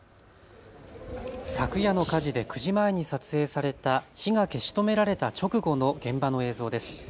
昨夜の火事で９時前に撮影された火が消し止められた直後の現場の映像です。